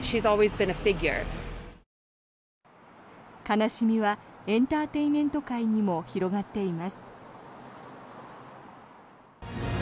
悲しみはエンターテインメント界にも広がっています。